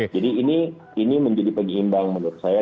jadi ini menjadi penyeimbang menurut saya